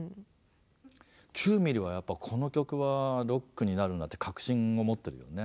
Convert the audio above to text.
９ｍｍはやっぱこの曲はロックになるなって確信を持ってるよね。